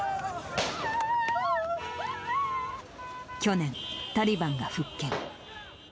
去年、タリバンが復権。